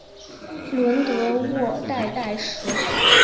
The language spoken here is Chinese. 伦德沃代代什。